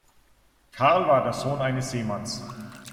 Carl war der Sohn eines Seemanns.